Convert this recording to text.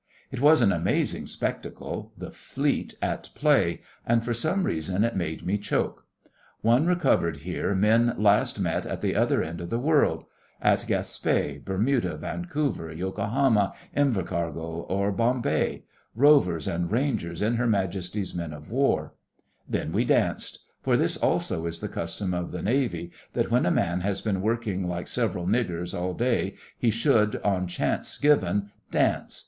It was an amazing spectacle—the Fleet at play, and for some reason, it made me choke. One recovered here men last met at the other end of the world—at Gaspé, Bermuda, Vancouver, Yokohama, Invercargill, or Bombay—rovers and rangers in Her Majesty's men of war. Then we danced; for this also is the custom of the Navy, that when a man has been working like several niggers all day he should, on chance given, dance.